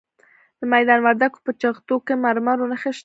د میدان وردګو په جغتو کې د مرمرو نښې شته.